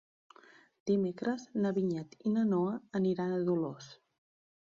Dimecres na Vinyet i na Noa aniran a Dolors.